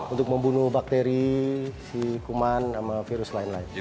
untuk membunuh bakteri si kuman sama virus lain lain